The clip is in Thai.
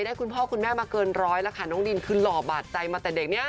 คุณพ่อคุณแม่มาเกินร้อยแล้วค่ะน้องดินคือหล่อบาดใจมาแต่เด็กเนี่ย